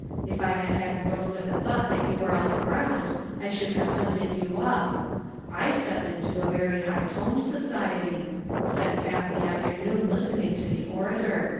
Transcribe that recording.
If I had had the ghost of a thought that you were on the ground I should have hunted you up. I stepped into very high toned society ; spent half the af ternoon listening to the orator.